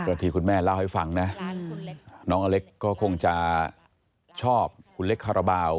ก็ที่คุณแม่เล่าให้ฟังนะน้องอเล็กก็คงจะชอบคุณเล็กคาราบาล